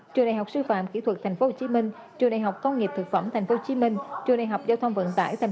trường đại học sư phạm kỹ thuật tp hcm trường đại học công nghiệp thực phẩm tp hcm trường đại học giao thông vận tải tp hcm